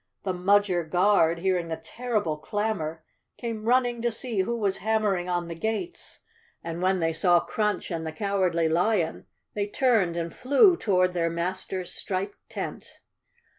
The Mudger Guard, hearing the terrible clamor, came running to see who was hammering on the gates, and when they saw Crunch and the Cowardly Lion they turned and flew toward their master's striped tent.